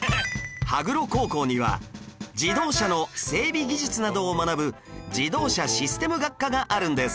羽黒高校には自動車の整備技術などを学ぶ自動車システム学科があるんです